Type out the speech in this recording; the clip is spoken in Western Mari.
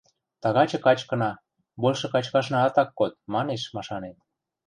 «Тагачы качкына, большы качкашнаат ак код», — манеш, машанем.